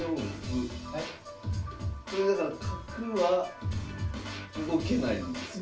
これだから角は動けないんですよね。